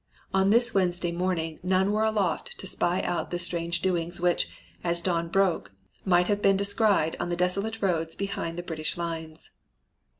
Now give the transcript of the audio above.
On this Wednesday morning none were aloft to spy out the strange doings which, as dawn broke, might have been descried on the desolate roads behind the British lines.